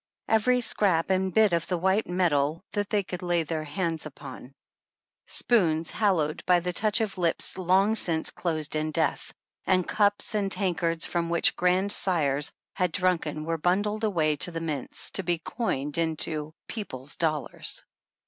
Every scrap and bit of the white metal that they could lay their hands upon, 28 29 spoons hallowed by the touch of lips long since closed in death, and cups and tankards from which grand sires had drunken were bundled away to the mints to be coined into "people's dollars."